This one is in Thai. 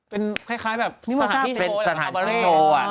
เป็นสถานที่โท